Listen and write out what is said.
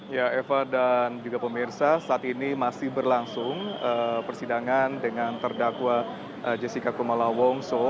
ya eva dan juga pemirsa saat ini masih berlangsung persidangan dengan terdakwa jessica kumala wongso